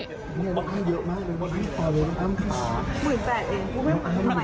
๑๘ยิงกูไม่เหมาะ